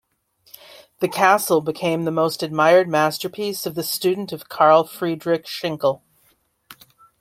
The castle became the most admired masterpiece of the student of Karl Friedrich Schinkel.